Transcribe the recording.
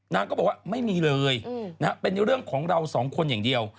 นางก็บอกว่าไม่มีเลยเป็นเรื่องของเราสองคนอย่างเดียว